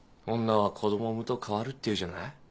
女は子供を産むと変わるっていうじゃない。